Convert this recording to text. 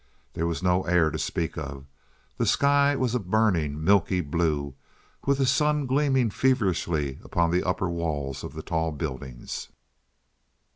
There was no air to speak of. The sky was a burning, milky blue, with the sun gleaming feverishly upon the upper walls of the tall buildings.